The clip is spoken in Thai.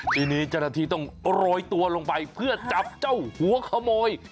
ทีนี้เจ้าหน้าที่ต้องโรยตัวลงไปเพื่อจับเจ้าหัวขโมย